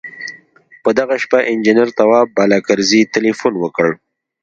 په دغه شپه انجنیر تواب بالاکرزی تیلفون وکړ.